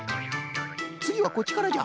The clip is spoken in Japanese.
つぎはこっちからじゃ。